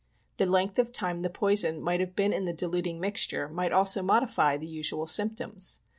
The length of time the poison might have been in the dilut ing mixture might also modify the usual symptoms.